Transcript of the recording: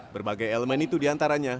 berbagai elemen itu diantaranya